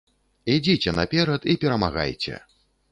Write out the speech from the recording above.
Ідзіце наперад і перамагайце!